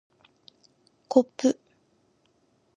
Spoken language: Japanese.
こっぷ